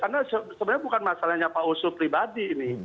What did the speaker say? karena sebenarnya bukan masalahnya pak oso pribadi